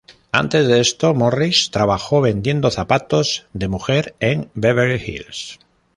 Antes de esto, Morris trabajó vendiendo zapatos de mujer en Beverly Hills.